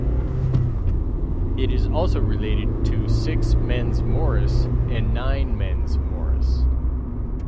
It is also related to Six Men's Morris and Nine Men's Morris.